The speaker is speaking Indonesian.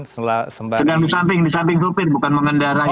sedang di samping di samping supir bukan mengendarai